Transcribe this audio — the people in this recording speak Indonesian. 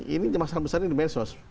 ini masalah besar ini medsos